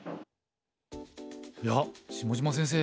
いや下島先生